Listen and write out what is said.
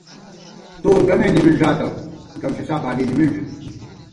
تو گمے نِمِنݮاتہ، گم ݪِݪا بالی نِمِنݮ